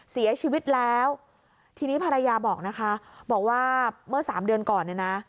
เสียชีวิตแล้วทีนี้ภรรยาบอกนะคะบอกว่าเมื่อสามเดือนก่อนเนี่ยนะ